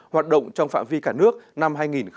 hoạt động trong phạm vi cả nước năm hai nghìn hai mươi